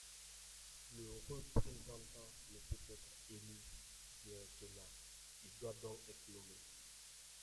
Le représentant ne peut être élu directement, il doit donc être nommé.